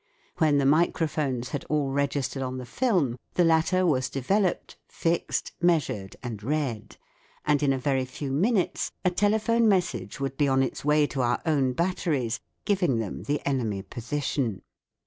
When the microphones had all registered on the film, the latter was developed, fixed, measured, and read ; and in a very few minutes a telephone message would be on its way to our own batteries giving them the enemy position.